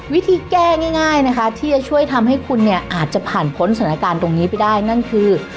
วิธีแก้ง่ายนะคะที่จะช่วยทำให้คุณเนี่ยอาจจะผ่านพ้นสถานการณ์ตรงนี้ไปได้นั่นคือ